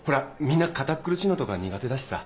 みんな堅苦しいのとか苦手だしさ。